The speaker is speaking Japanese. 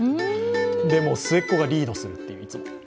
でも、末っ子がリードするっていう、いつも。